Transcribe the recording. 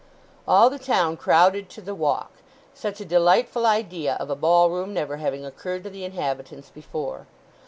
All the town crowded to the Walk, such a delightful idea of a ballroom never having occurred to the inhabitants before.